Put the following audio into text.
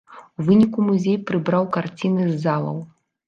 У выніку музей прыбраў карціны з залаў.